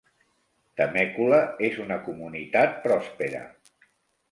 Temecula és una comunitat pròspera.